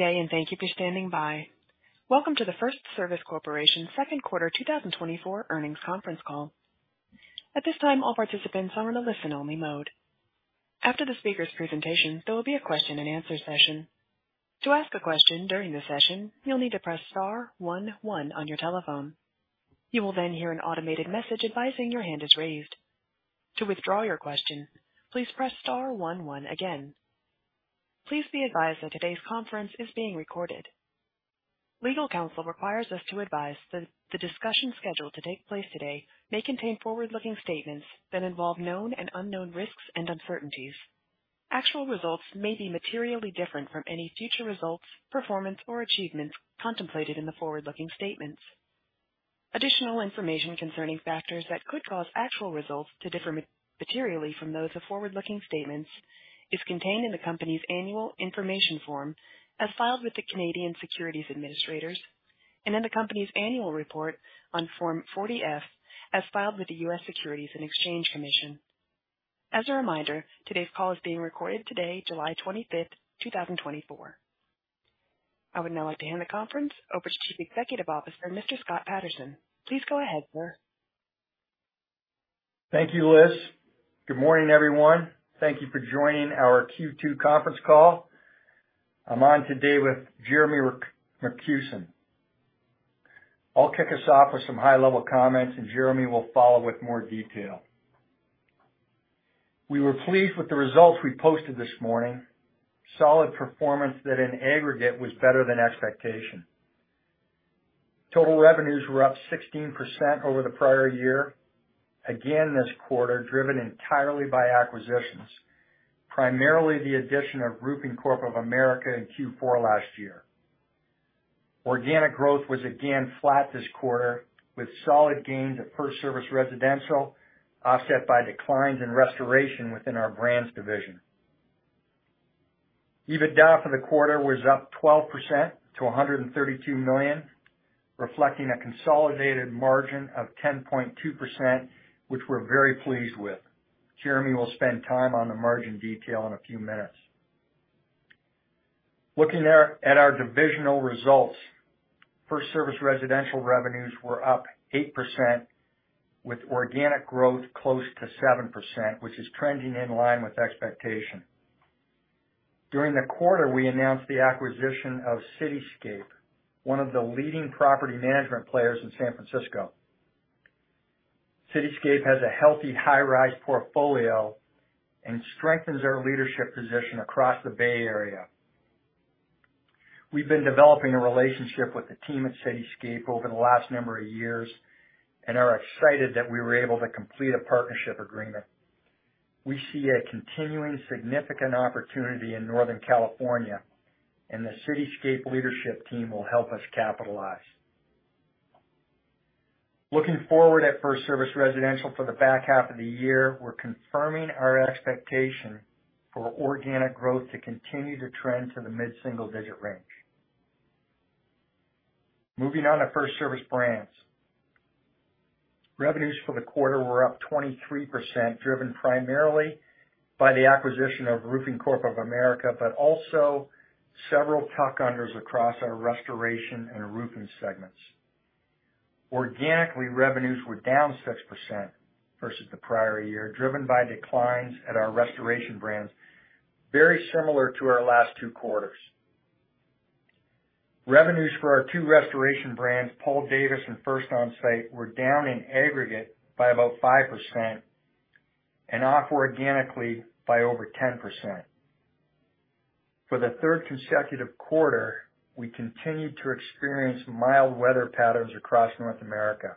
Today, and thank you for standing by. Welcome to the FirstService Corporation Second Quarter 2024 Earnings Conference Call. At this time, all participants are in a listen-only mode. After the speaker's presentation, there will be a question and answer session. To ask a question during the session, you'll need to press star one one on your telephone. You will then hear an automated message advising your hand is raised. To withdraw your question, please press star one one again. Please be advised that today's conference is being recorded. Legal counsel requires us to advise that the discussion scheduled to take place today may contain forward-looking statements that involve known and unknown risks and uncertainties. Actual results may be materially different from any future results, performance, or achievements contemplated in the forward-looking statements. Additional information concerning factors that could cause actual results to differ materially from those of forward-looking statements is contained in the company's annual information form as filed with the Canadian Securities Administrators and in the company's annual report on Form 40-F, as filed with the U.S. Securities and Exchange Commission. As a reminder, today's call is being recorded today, July 25th, 2024. I would now like to hand the conference over to Chief Executive Officer, Mr. Scott Patterson. Please go ahead, sir. Thank you, Liz. Good morning, everyone. Thank you for joining our Q2 conference call. I'm on today with Jeremy Rakusin. I'll kick us off with some high-level comments, and Jeremy will follow with more detail. We were pleased with the results we posted this morning. Solid performance that in aggregate was better than expectation. Total revenues were up 16% over the prior year, again, this quarter, driven entirely by acquisitions, primarily the addition of Roofing Corp. of America in Q4 last year. Organic growth was again flat this quarter, with solid gains at FirstService Residential, offset by declines in restoration within our Brands division. EBITDA for the quarter was up 12% to $132 million, reflecting a consolidated margin of 10.2%, which we're very pleased with. Jeremy will spend time on the margin detail in a few minutes. Looking at our divisional results, FirstService Residential revenues were up 8%, with organic growth close to 7%, which is trending in line with expectation. During the quarter, we announced the acquisition of CitiScape, one of the leading property management players in San Francisco. CitiScape has a healthy high-rise portfolio and strengthens our leadership position across the Bay Area. We've been developing a relationship with the team at CitiScape over the last number of years and are excited that we were able to complete a partnership agreement. We see a continuing significant opportunity in Northern California, and the CitiScape leadership team will help us capitalize. Looking forward at FirstService Residential for the back half of the year, we're confirming our expectation for organic growth to continue to trend to the mid-single digit range. Moving on to FirstService Brands. Revenues for the quarter were up 23%, driven primarily by the acquisition of Roofing Corp. of America, but also several tuck-unders across our restoration and roofing segments. Organically, revenues were down 6% versus the prior year, driven by declines at our restoration brands, very similar to our last two quarters. Revenues for our two restoration brands, Paul Davis and First Onsite, were down in aggregate by about 5% and off organically by over 10%. For the third consecutive quarter, we continued to experience mild weather patterns across North America.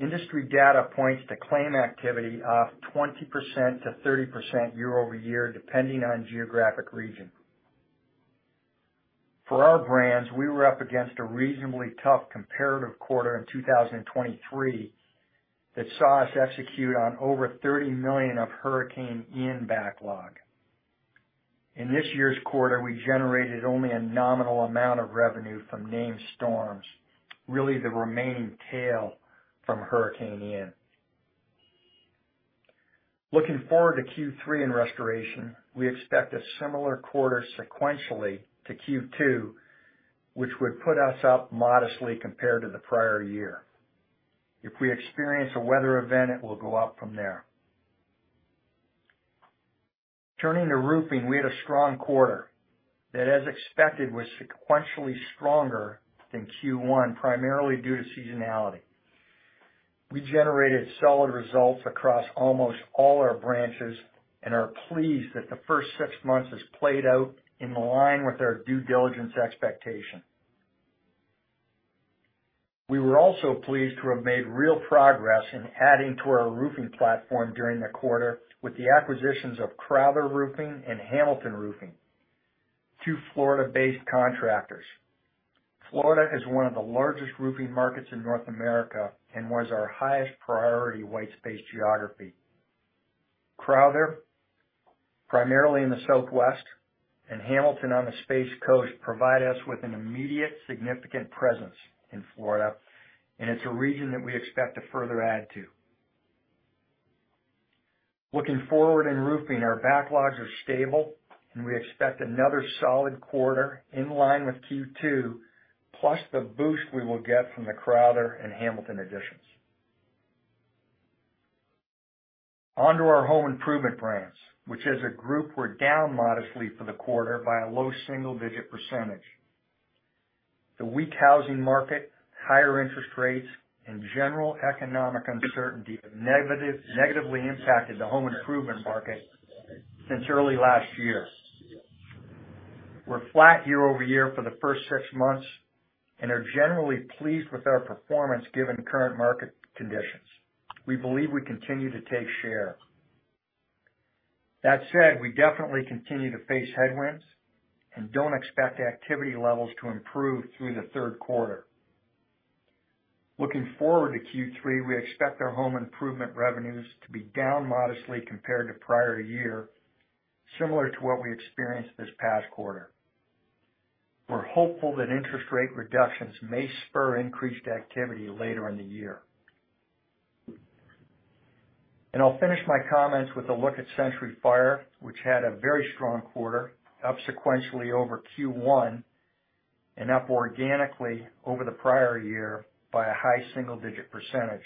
Industry data points to claim activity off 20%-30% year over year, depending on geographic region. For our Brands, we were up against a reasonably tough comparative quarter in 2023 that saw us execute on over $30 million of Hurricane Ian backlog. In this year's quarter, we generated only a nominal amount of revenue from named storms, really the remaining tail from Hurricane Ian. Looking forward to Q3 in restoration, we expect a similar quarter sequentially to Q2, which would put us up modestly compared to the prior year. If we experience a weather event, it will go up from there. Turning to roofing, we had a strong quarter that, as expected, was sequentially stronger than Q1, primarily due to seasonality. We generated solid results across almost all our branches and are pleased that the first six months has played out in line with our due diligence expectation. We were also pleased to have made real progress in adding to our roofing platform during the quarter with the acquisitions of Crowther Roofing and Hamilton Roofing, two Florida-based contractors. Florida is one of the largest roofing markets in North America and was our highest priority white space geography. Crowther, primarily in the Southwest, and Hamilton on the Space Coast, provide us with an immediate, significant presence in Florida, and it's a region that we expect to further add to. Looking forward in roofing, our backlogs are stable, and we expect another solid quarter in line with Q2, plus the boost we will get from the Crowther and Hamilton additions. On to our home improvement brands, which as a group, were down modestly for the quarter by a low single-digit %. The weak housing market, higher interest rates, and general economic uncertainty have negatively impacted the home improvement market since early last year. We're flat year over year for the first six months and are generally pleased with our performance, given the current market conditions. We believe we continue to take share. That said, we definitely continue to face headwinds and don't expect activity levels to improve through the third quarter. Looking forward to Q3, we expect our home improvement revenues to be down modestly compared to prior year, similar to what we experienced this past quarter. We're hopeful that interest rate reductions may spur increased activity later in the year. And I'll finish my comments with a look at Century Fire, which had a very strong quarter, up sequentially over Q1 and up organically over the prior year by a high single-digit percentage.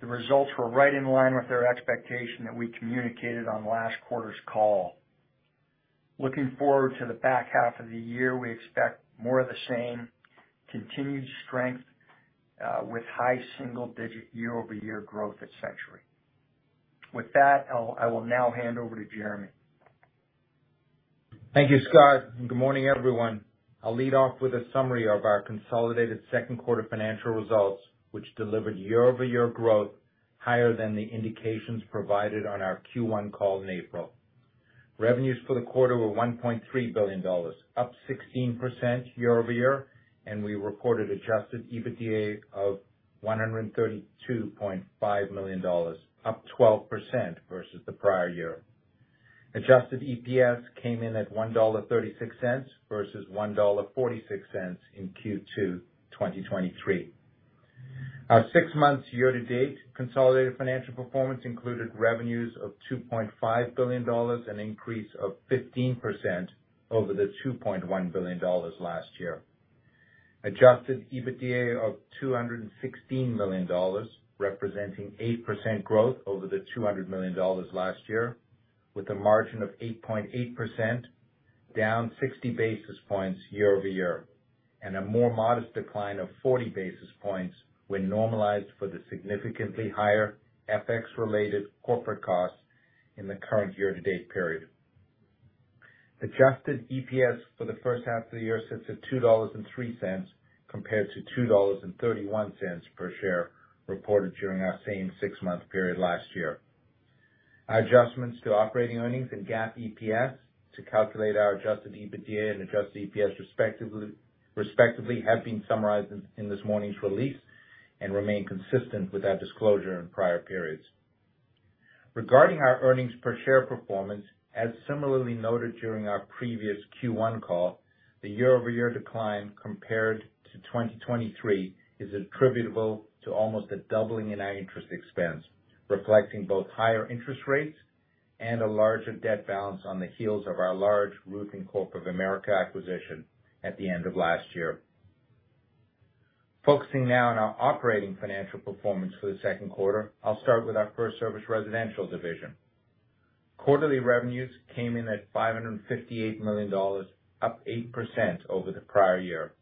The results were right in line with our expectation that we communicated on last quarter's call. Looking forward to the back half of the year, we expect more of the same continued strength with high single-digit year-over-year growth at Century. With that, I'll now hand over to Jeremy. Thank you, Scott, and good morning, everyone. I'll lead off with a summary of our consolidated second quarter financial results, which delivered year-over-year growth higher than the indications provided on our Q1 call in April. Revenues for the quarter were $1.3 billion, up 16% year over year, and we reported Adjusted EBITDA of $132.5 million, up 12% versus the prior year. Adjusted EPS came in at $1.36 versus $1.46 in Q2 2023. Our six months year-to-date consolidated financial performance included revenues of $2.5 billion, an increase of 15% over the $2.1 billion last year. Adjusted EBITDA of $216 million, representing 8% growth over the $200 million last year, with a margin of 8.8%, down 60 basis points year-over-year, and a more modest decline of 40 basis points when normalized for the significantly higher FX-related corporate costs in the current year-to-date period. Adjusted EPS for the first half of the year sits at $2.03, compared to $2.31 per share reported during our same six-month period last year. Our adjustments to operating earnings and GAAP EPS to calculate our Adjusted EBITDA and Adjusted EPS respectively have been summarized in this morning's release and remain consistent with our disclosure in prior periods. Regarding our earnings per share performance, as similarly noted during our previous Q1 call, the year-over-year decline compared to 2023 is attributable to almost a doubling in our interest expense, reflecting both higher interest rates and a larger debt balance on the heels of our large Roofing Corp. of America acquisition at the end of last year. Focusing now on our operating financial performance for the second quarter, I'll start with our FirstService Residential division. Quarterly revenues came in at $558 million, up 8% over the prior year.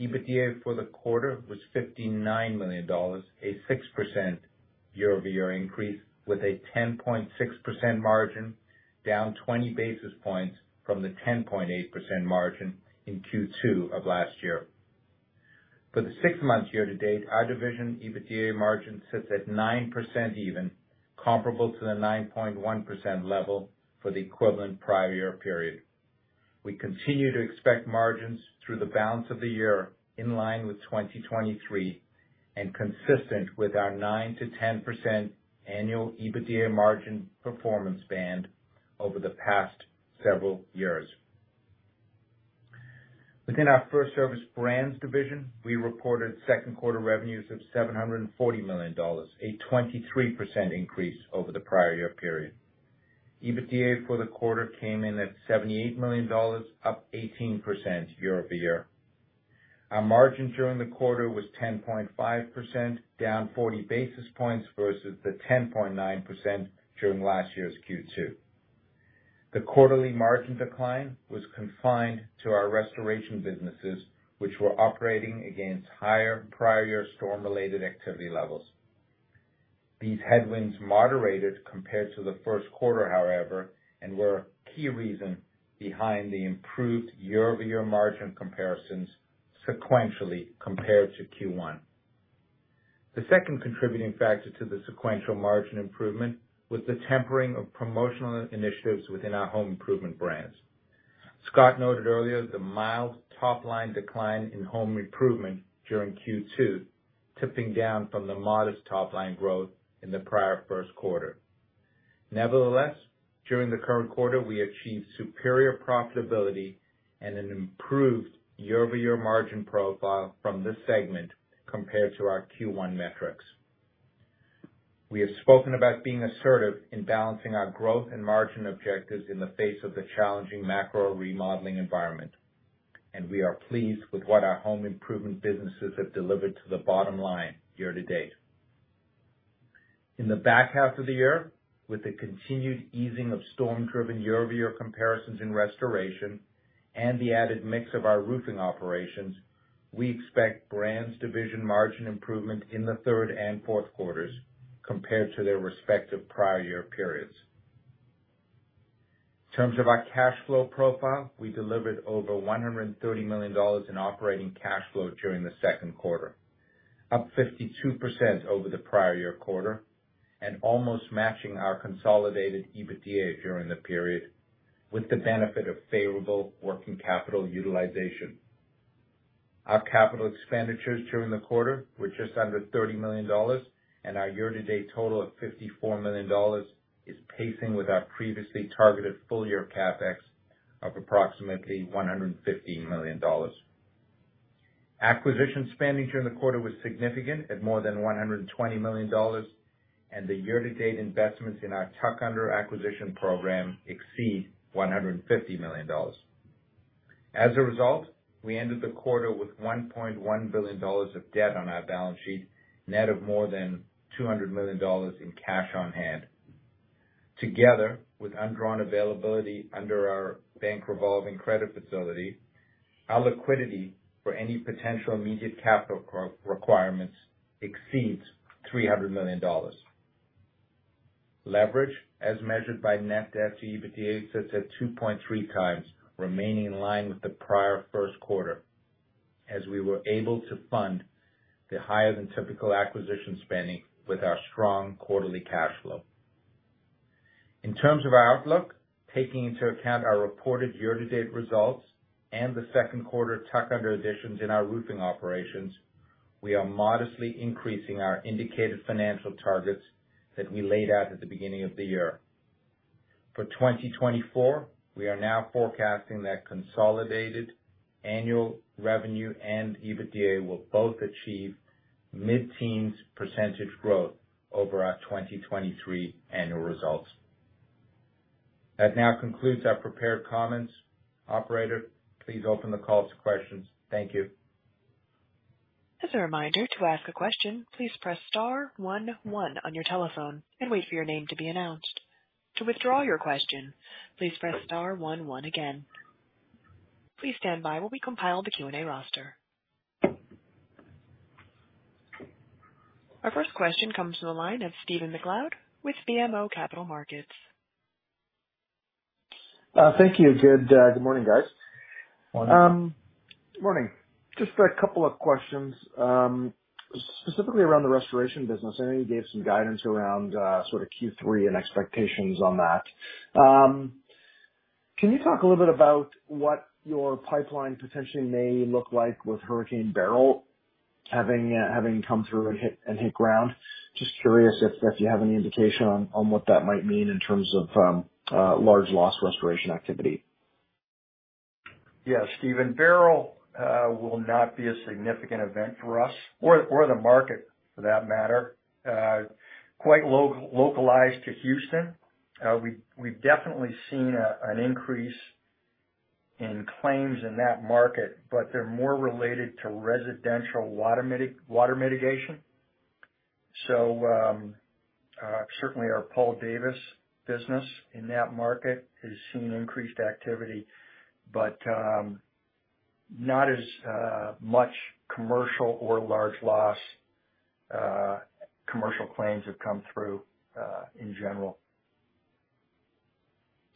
EBITDA for the quarter was $59 million, a 6% year-over-year increase, with a 10.6% margin, down 20 basis points from the 10.8% margin in Q2 of last year. For the six months year to date, our division EBITDA margin sits at 9% even, comparable to the 9.1% level for the equivalent prior year period. We continue to expect margins through the balance of the year in line with 2023 and consistent with our 9%-10% annual EBITDA margin performance band over the past several years. Within our FirstService Brands division, we reported second quarter revenues of $740 million, a 23% increase over the prior year period. EBITDA for the quarter came in at $78 million, up 18% year-over-year. Our margin during the quarter was 10.5%, down 40 basis points versus the 10.9% during last year's Q2. The quarterly margin decline was confined to our restoration businesses, which were operating against higher prior storm-related activity levels. These headwinds moderated compared to the first quarter, however, and were a key reason behind the improved year-over-year margin comparisons sequentially compared to Q1. The second contributing factor to the sequential margin improvement was the tempering of promotional initiatives within our home improvement brands. Scott noted earlier the mild top-line decline in home improvement during Q2, tipping down from the modest top-line growth in the prior first quarter. Nevertheless, during the current quarter, we achieved superior profitability and an improved year-over-year margin profile from this segment compared to our Q1 metrics. We have spoken about being assertive in balancing our growth and margin objectives in the face of the challenging macro remodeling environment, and we are pleased with what our home improvement businesses have delivered to the bottom line year-to-date. In the back half of the year, with the continued easing of storm-driven year-over-year comparisons in restoration and the added mix of our roofing operations, we expect Brands division margin improvement in the third and fourth quarters compared to their respective prior year periods. In terms of our cash flow profile, we delivered over $130 million in operating cash flow during the second quarter, up 52% over the prior year quarter, and almost matching our consolidated EBITDA during the period, with the benefit of favorable working capital utilization. Our capital expenditures during the quarter were just under $30 million, and our year-to-date total of $54 million is pacing with our previously targeted full year CapEx of approximately $150 million. Acquisition spending during the quarter was significant at more than $120 million, and the year-to-date investments in our tuck under acquisition program exceed $150 million. As a result, we ended the quarter with $1.1 billion of debt on our balance sheet, net of more than $200 million in cash on hand. Together with undrawn availability under our bank revolving credit facility, our liquidity for any potential immediate capital requirements exceeds $300 million. Leverage, as measured by net debt to EBITDA, sits at 2.3 times, remaining in line with the prior first quarter, as we were able to fund the higher than typical acquisition spending with our strong quarterly cash flow. In terms of our outlook, taking into account our reported year-to-date results and the second quarter tuck under additions in our roofing operations, we are modestly increasing our indicated financial targets that we laid out at the beginning of the year. For 2024, we are now forecasting that consolidated annual revenue and EBITDA will both achieve mid-teens % growth over our 2023 annual results. That now concludes our prepared comments. Operator, please open the call to questions. Thank you. As a reminder, to ask a question, please press star one one on your telephone and wait for your name to be announced. To withdraw your question, please press star one one again. Please stand by while we compile the Q&A roster. Our first question comes from the line of Stephen MacLeod with BMO Capital Markets. Thank you. Good, good morning, guys. Morning. Good morning. Just a couple of questions. Specifically around the restoration business, I know you gave some guidance around sort of Q3 and expectations on that. Can you talk a little bit about what your pipeline potentially may look like with Hurricane Beryl having come through and hit ground? Just curious if you have any indication on what that might mean in terms of large loss restoration activity. Yeah, Steven. Beryl will not be a significant event for us or, or the market for that matter. Quite localized to Houston. We've definitely seen an increase in claims in that market, but they're more related to residential water mitigation. So, certainly our Paul Davis business in that market has seen increased activity, but not as much commercial or large loss commercial claims have come through, in general.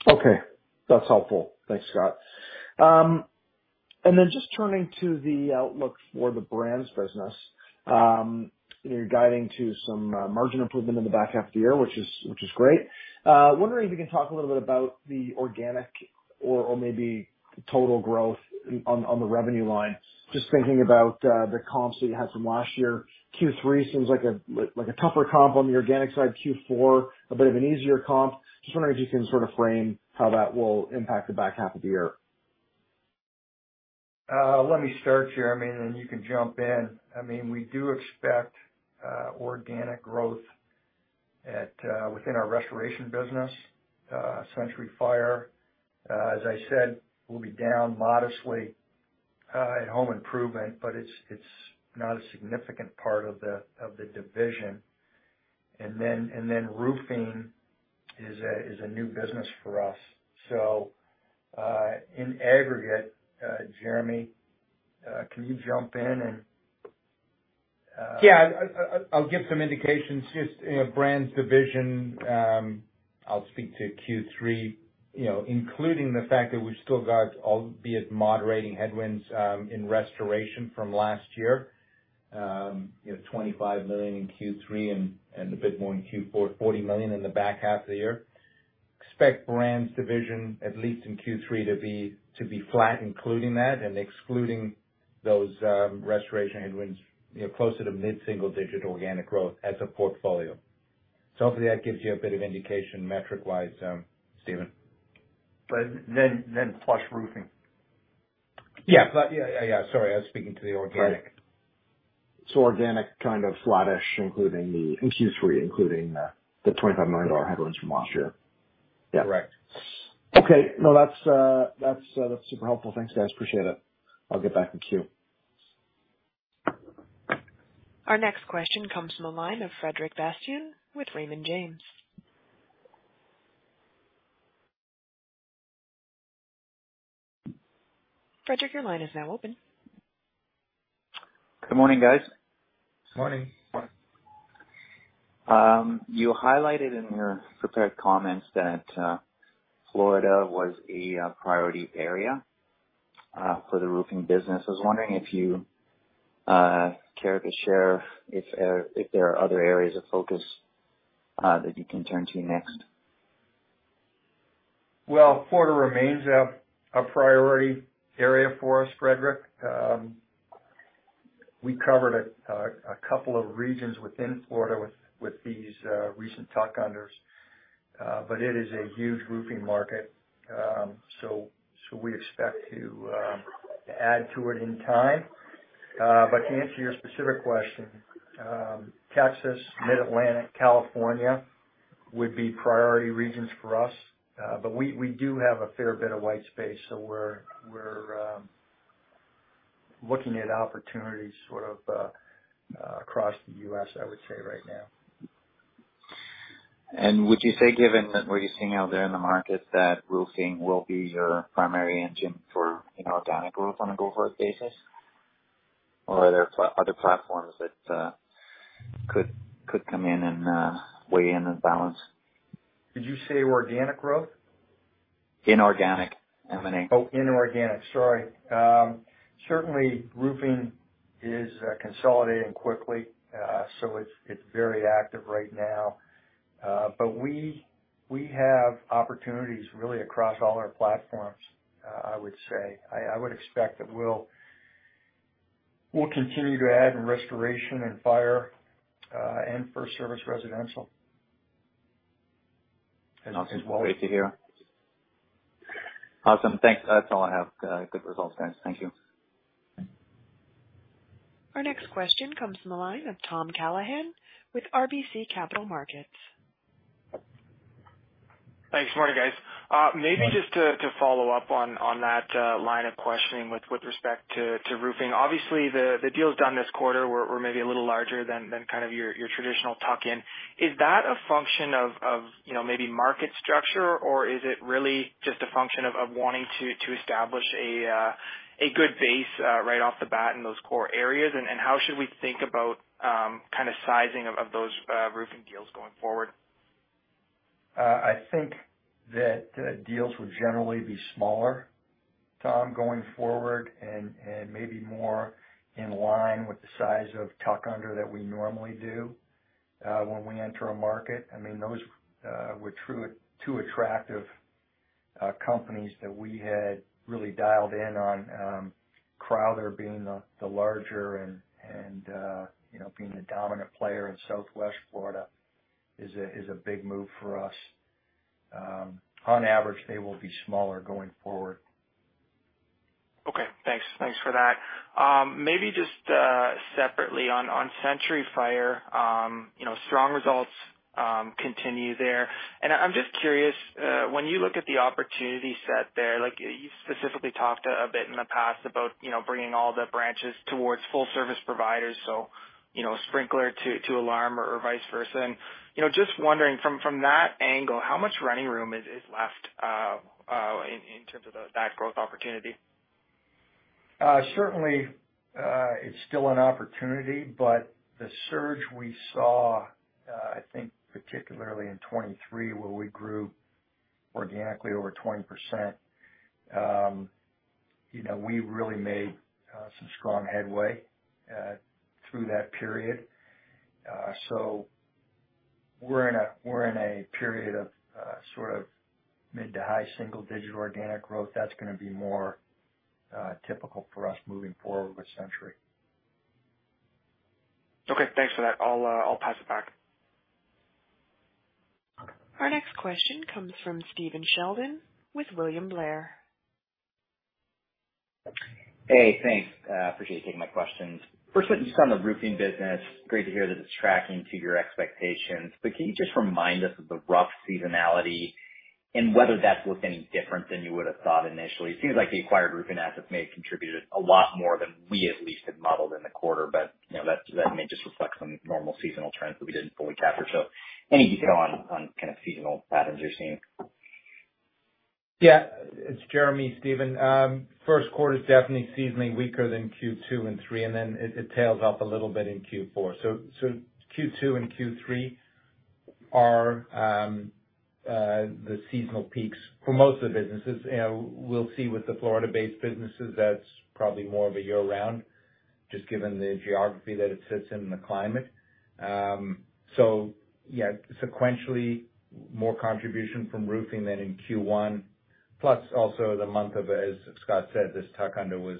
Okay. That's helpful. Thanks, Scott. And then just turning to the outlook for the Brands business. You're guiding to some margin improvement in the back half of the year, which is great. Wondering if you can talk a little bit about the organic or maybe total growth on the revenue line. Just thinking about the comps that you had from last year, Q3 seems like a tougher comp on the organic side, Q4, a bit of an easier comp. Just wondering if you can sort of frame how that will impact the back half of the year. Let me start, Jeremy, and you can jump in. I mean, we do expect organic growth within our restoration business. Century Fire, as I said, will be down modestly at Home Improvement, but it's not a significant part of the division. And then Roofing is a new business for us. So, in aggregate, Jeremy, can you jump in and, Yeah, I’ll give some indications just, you know, Brands division, I’ll speak to Q3, you know, including the fact that we’ve still got, albeit moderating headwinds, in restoration from last year. You know, $25 million in Q3 and a bit more in Q4, $40 million in the back half of the year. Expect Brands division, at least in Q3, to be, to be flat, including that, and excluding those, restoration headwinds, you know, closer to mid-single digit organic growth as a portfolio. So hopefully that gives you a bit of indication metric wise, Stephen. But then plus roofing? Yeah. But yeah, yeah, sorry. I was speaking to the organic. Right. So organic, kind of flattish, in Q3, including the $25 million headwinds from last year? Yeah. Correct. Okay. No, that's, that's, that's super helpful. Thanks, guys. Appreciate it. I'll get back in queue. Our next question comes from the line of Frederic Bastien with Raymond James. Frederic, your line is now open. Good morning, guys. Morning. Morning. You highlighted in your prepared comments that Florida was a priority area for the roofing business. I was wondering if you care to share if there are other areas of focus that you can turn to next? Well, Florida remains a priority area for us, Frederic. We covered a couple of regions within Florida with these recent tuck unders, but it is a huge roofing market. So we expect to add to it in time. But to answer your specific question, Texas, Mid-Atlantic, California would be priority regions for us. But we do have a fair bit of white space, so we're looking at opportunities sort of across the U.S., I would say right now. Would you say, given what you're seeing out there in the market, that roofing will be your primary engine for, you know, organic growth on a go-forward basis? Or are there other platforms that could come in and weigh in and balance? Did you say organic growth? Inorganic, M&A. Oh, inorganic. Sorry. Certainly roofing is consolidating quickly. So it's very active right now. But we have opportunities really across all our platforms, I would say. I would expect that we'll continue to add in restoration and fire, and FirstService Residential. And that's great to hear. Awesome. Thanks. That's all I have. Good results, guys. Thank you. Our next question comes from the line of Tom Callahan with RBC Capital Markets. Thanks. Good morning, guys. Morning. Maybe just to follow up on that line of questioning with respect to roofing. Obviously, the deals done this quarter were maybe a little larger than kind of your traditional tuck in. Is that a function of, you know, maybe market structure, or is it really just a function of wanting to establish a good base right off the bat in those core areas? And how should we think about kind of sizing of those roofing deals going forward? I think that deals will generally be smaller, Tom, going forward, and maybe more in line with the size of tuck under that we normally do when we enter a market. I mean, those were truly too attractive companies that we had really dialed in on. Crowther being the larger and you know, being the dominant player in Southwest Florida is a big move for us. On average, they will be smaller going forward. Okay, thanks. Thanks for that. Maybe just, separately on, on Century Fire, you know, strong results, continue there. And I'm just curious, when you look at the opportunity set there, like you specifically talked a bit in the past about, you know, bringing all the branches towards full service providers, so, you know, sprinkler to, to alarm or vice versa. You know, just wondering from, from that angle, how much running room is, is left, in, in terms of the, that growth opportunity? Certainly, it's still an opportunity, but the surge we saw, I think particularly in 2023, where we grew organically over 20%, you know, we really made some strong headway through that period. So we're in a period of sort of mid- to high-single-digit organic growth that's gonna be more typical for us moving forward with Century. Okay, thanks for that. I'll, I'll pass it back. Our next question comes from Stephen Sheldon with William Blair. Hey, thanks. Appreciate you taking my questions. First, just on the roofing business, great to hear that it's tracking to your expectations. But can you just remind us of the rough seasonality and whether that looked any different than you would have thought initially? It seems like the acquired roofing assets may have contributed a lot more than we at least had modeled in the quarter, but, you know, that may just reflect some normal seasonal trends that we didn't fully capture. So any detail on kind of seasonal patterns you're seeing? Yeah, it's Jeremy, Stephen. First quarter is definitely seasonally weaker than Q2 and Q3, and then it tails off a little bit in Q4. So, Q2 and Q3 are the seasonal peaks for most of the businesses. You know, we'll see with the Florida-based businesses, that's probably more of a year round. Just given the geography that it sits in and the climate. So yeah, sequentially more contribution from roofing than in Q1, plus also the month of, as Scott said, this tuck-under was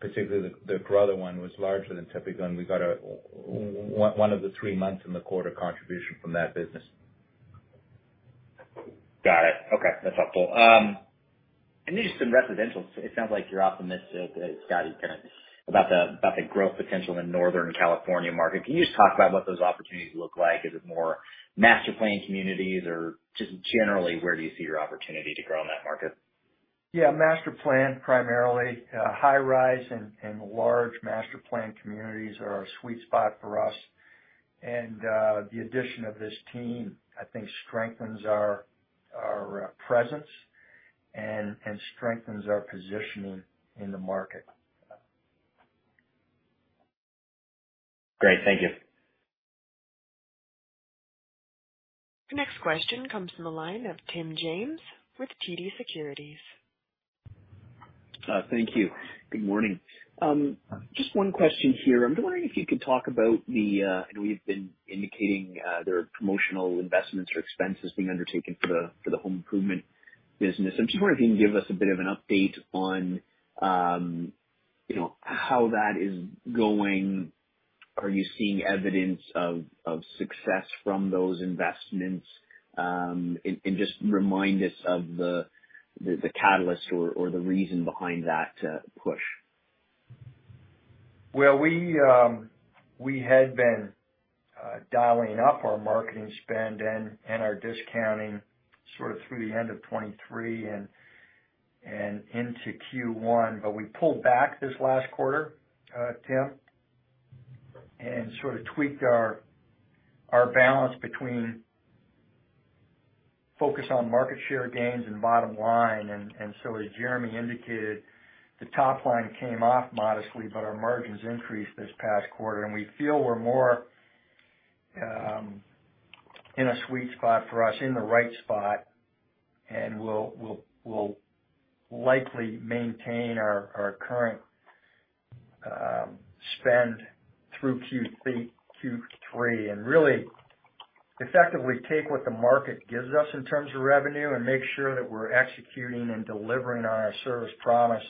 particularly the, the Crowther one was larger than typical, and we got a one of the three months in the quarter contribution from that business. Got it. Okay, that's helpful. And on FirstService Residential. It sounds like you're optimistic that Scott is kind of about the growth potential in the Northern California market. Can you just talk about what those opportunities look like? Is it more master planned communities, or just generally, where do you see your opportunity to grow in that market? Yeah, master planned, primarily, high rise and large master planned communities are our sweet spot for us. And, the addition of this team, I think, strengthens our presence and strengthens our positioning in the market. Great. Thank you. The next question comes from the line of Tim James with TD Securities. Thank you. Good morning. Just one question here. I'm wondering if you could talk about the. I know you've been indicating there are promotional investments or expenses being undertaken for the, for the home improvement business. I'm just wondering if you can give us a bit of an update on, you know, how that is going. Are you seeing evidence of, of success from those investments? And, and just remind us of the, the, the catalyst or, or the reason behind that, push. Well, we, we had been dialing up our marketing spend and, and our discounting sort of through the end of 2023 and, and into Q1, but we pulled back this last quarter, Tim, and sort of tweaked our, our balance between focus on market share gains and bottom line. And, and so as Jeremy indicated, the top line came off modestly, but our margins increased this past quarter, and we feel we're more in a sweet spot for us, in the right spot, and we'll, we'll, we'll likely maintain our our current spend through Q3, and really effectively take what the market gives us in terms of revenue and make sure that we're executing and delivering on our service promise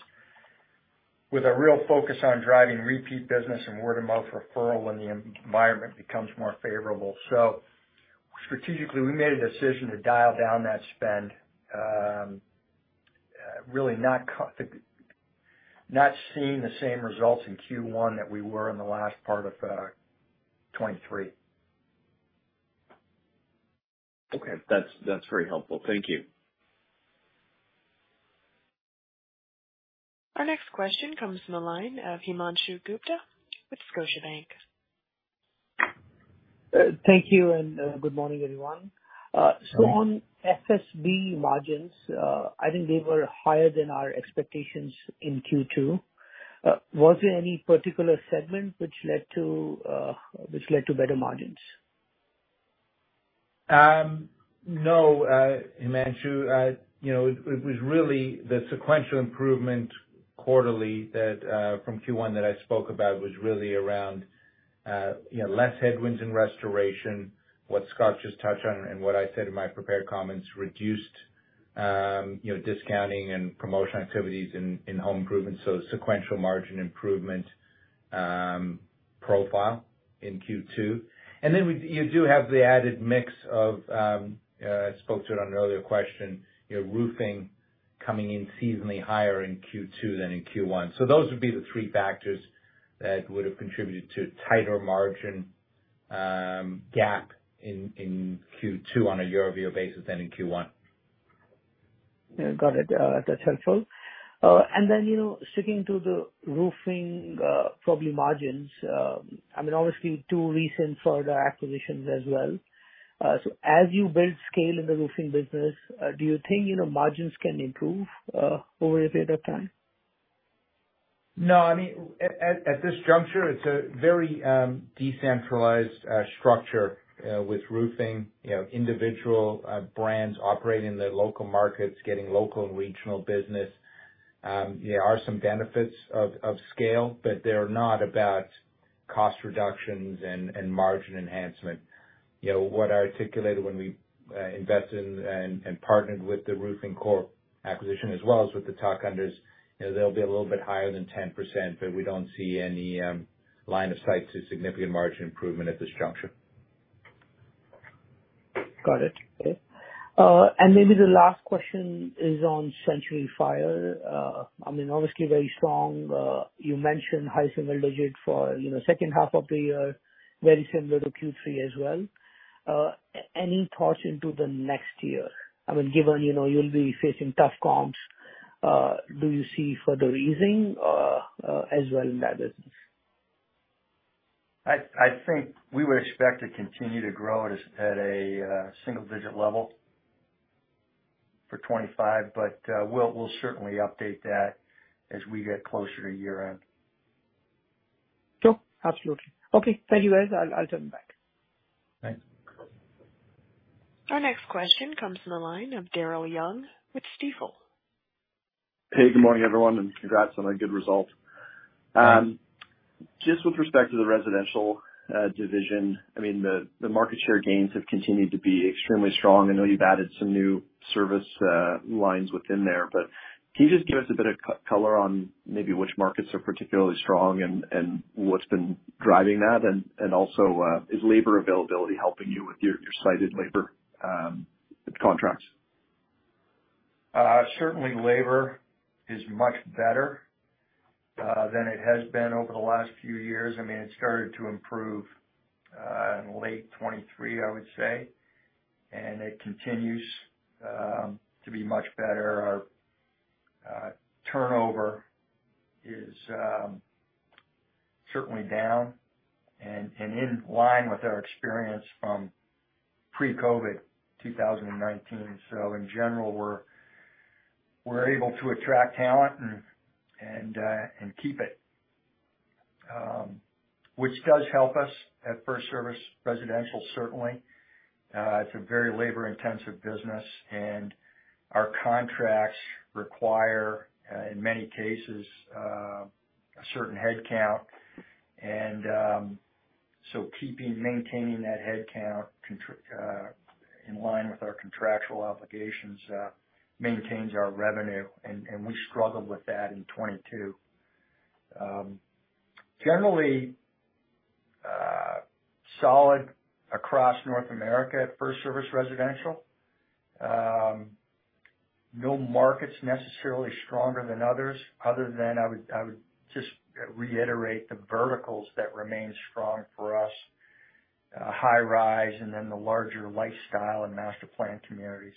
with a real focus on driving repeat business and word-of-mouth referral when the environment becomes more favorable. So strategically, we made a decision to dial down that spend, really not seeing the same results in Q1 that we were in the last part of 2023. Okay. That's, that's very helpful. Thank you. Our next question comes from the line of Himanshu Gupta with Scotiabank. Thank you, and good morning, everyone. So on FSB margins, I think they were higher than our expectations in Q2. Was there any particular segment which led to better margins? No, Himanshu, you know, it, it was really the sequential improvement quarterly that from Q1 that I spoke about was really around, you know, less headwinds in restoration, what Scott just touched on and what I said in my prepared comments, reduced, you know, discounting and promotion activities in, in home improvement. So sequential margin improvement, profile in Q2. And then we. You do have the added mix of, I spoke to it on an earlier question, you know, roofing coming in seasonally higher in Q2 than in Q1. So those would be the three factors that would have contributed to tighter margin, gap in, in Q2 on a year-over-year basis than in Q1. Yeah. Got it. That's helpful. And then, you know, sticking to the roofing, probably margins, I mean, obviously, two recent further acquisitions as well. So as you build scale in the roofing business, do you think, you know, margins can improve, over a period of time? No, I mean, at this juncture, it's a very decentralized structure with roofing. You know, individual brands operating in their local markets, getting local and regional business. There are some benefits of scale, but they're not about cost reductions and margin enhancement. You know, what I articulated when we invested in and partnered with the Roofing Corp acquisition as well as with the tuck-unders, you know, they'll be a little bit higher than 10%, but we don't see any line of sight to significant margin improvement at this juncture. Got it. Okay. And maybe the last question is on Century Fire. I mean, obviously very strong. You mentioned high single digit for, you know, second half of the year, very similar to Q3 as well. Any thoughts into the next year? I mean, given, you know, you'll be facing tough comps. Do you see further easing as well in that business? I think we would expect to continue to grow at a single digit level for 2025, but we'll certainly update that as we get closer to year-end. Sure. Absolutely. Okay. Thank you, guys. I'll jump back. Thanks. Our next question comes from the line of Daryl Young with Stifel. Hey, good morning, everyone, and congrats on a good result. Just with respect to the residential division, I mean, the market share gains have continued to be extremely strong. I know you've added some new service lines within there, but can you just give us a bit of color on maybe which markets are particularly strong and what's been driving that? And also, is labor availability helping you with your site labor contracts? Certainly labor is much better than it has been over the last few years. I mean, it started to improve in late 2023, I would say, and it continues to be much better. Our turnover is certainly down and in line with our experience from pre-COVID, 2019. So in general, we're able to attract talent and keep it. Which does help us at FirstService Residential, certainly. It's a very labor-intensive business, and our contracts require, in many cases, a certain headcount. And so keeping maintaining that headcount in line with our contractual obligations maintains our revenue, and we struggled with that in 2022. Generally, solid across North America at FirstService Residential. No markets necessarily stronger than others, other than I would, I would just reiterate the verticals that remain strong for us, high rise and then the larger lifestyle and master planned communities.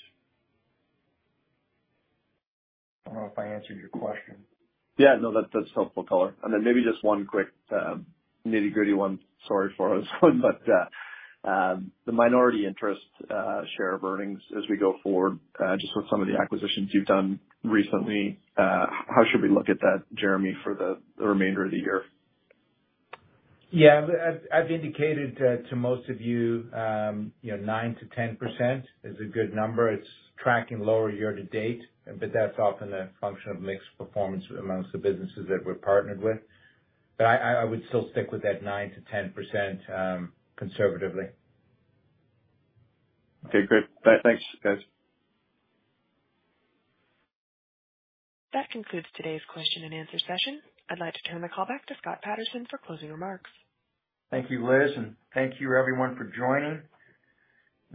I don't know if I answered your question. Yeah. No, that's, that's helpful color. And then maybe just one quick, nitty-gritty one, sorry for this but, the minority interest, share of earnings as we go forward, just with some of the acquisitions you've done recently, how should we look at that, Jeremy, for the remainder of the year? Yeah, I've indicated to most of you, you know, 9%-10% is a good number. It's tracking lower year to date, but that's often a function of mixed performance among the businesses that we're partnered with. But I would still stick with that 9%-10%, conservatively. Okay, great. Bye. Thanks, guys. That concludes today's question and answer session. I'd like to turn the call back to Scott Patterson for closing remarks. Thank you, Liz, and thank you everyone for joining.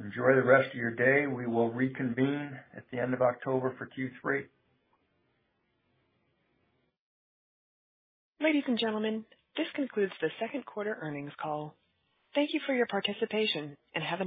Enjoy the rest of your day. We will reconvene at the end of October for Q3. Ladies and gentlemen, this concludes the second quarter earnings call. Thank you for your participation, and have a nice day.